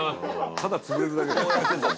ただ潰れるだけだよ。